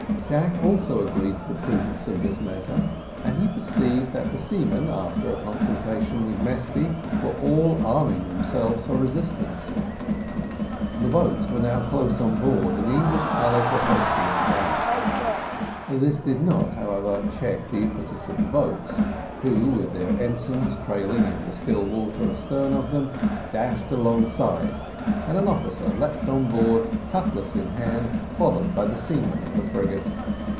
Jack also agreed to the prudence of this measure, and he perceived that the seamen, after a consultation with Mesty, were all arming themselves for resistance. The boats were now close on board, and English colours were hoisted at the gaff. This did not, however, check the impetus of the boats, which, with their ensigns trailing in the still water astern of them, dashed alongside, and an officer leaped on board, cutlass in hand, followed by the seamen of the frigate.